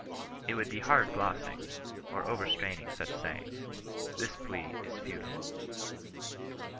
It would be hard glossing, or overstraining such sayings. This plea is futile.